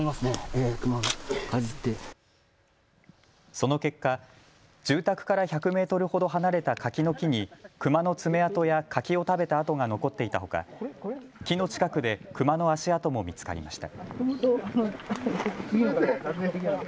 その結果、住宅から１００メートルほど離れた柿の木にクマの爪痕や柿を食べた跡が残っていたほか木の近くでクマの足跡も見つかりました。